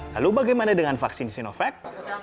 lalu bagaimana dengan vaksin sinovac